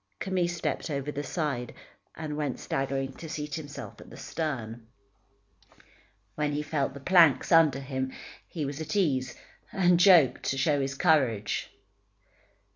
Camille stepped over the side, and went staggering to seat himself at the stern. When he felt the planks under him, he was at ease, and joked to show his courage.